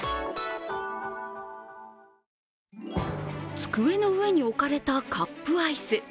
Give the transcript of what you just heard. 机の上に置かれたカップアイス。